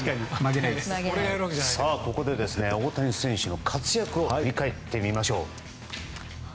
ここで、大谷選手の活躍を振り返ってみましょう。